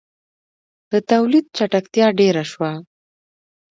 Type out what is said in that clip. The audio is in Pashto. • د تولید چټکتیا ډېره شوه.